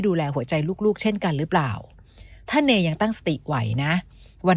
ดูแลหัวใจลูกเช่นกันหรือเปล่าถ้าเนยยังตั้งสติไหวนะวัน